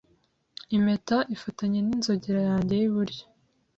Impeta ifatanye n inzogera yanjye yiburyo